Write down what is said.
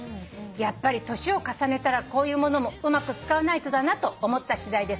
「やっぱり年を重ねたらこういうものもうまく使わないとだなと思ったしだいです」